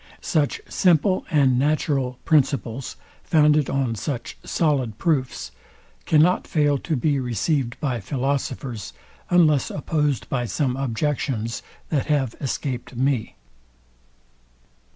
Such simple and natural principles, founded on such solid proofs, cannot fail to be received by philosophers, unless opposed by some objections, that have escaped me.